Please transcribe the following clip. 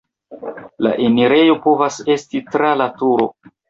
La enirejo povas esti tra la turo.